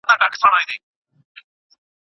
جانانه داسې به دي هير کم